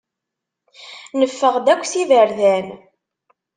Neffeɣ-d akk s iberdan.